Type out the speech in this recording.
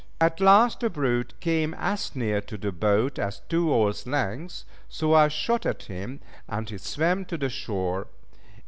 At last the brute came as near to the boat as two oars' length, so I shot at him, and he swam to the shore.